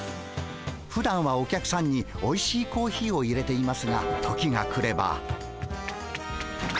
ふだんはお客さんにおいしいコーヒーをいれていますが時が来れば。